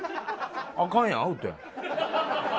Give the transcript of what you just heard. あかんやん、アウトやん。